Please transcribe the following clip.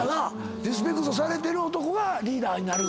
リスペクトされてる男がリーダーになる。